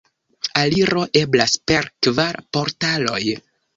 Aliro eblas per kvar portaloj.